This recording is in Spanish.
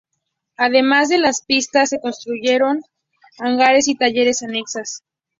Además de las pistas, se construyeron hangares y talleres anexas.